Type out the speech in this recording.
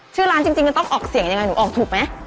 ชื่อร้านจริงมันต้องออกเสียงยังไงหนูออกถูกไหม